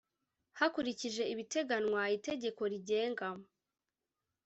hakurikijwe ibiteganywa Itegeko rigenga